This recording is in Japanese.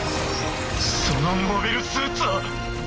そのモビルスーツは。